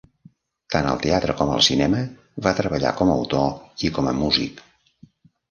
Tant al teatre com al cinema, va treballar com autor i com a músic.